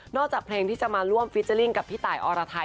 จากเพลงที่จะมาร่วมฟิเจอร์ลิ่งกับพี่ตายอรไทย